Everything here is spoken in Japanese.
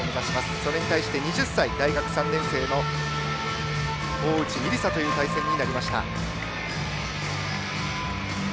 それに対して２０歳、大学３年生の大内美里沙という対戦になりました。